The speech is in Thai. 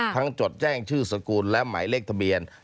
จดแจ้งชื่อสกุลและหมายเลขทะเบียน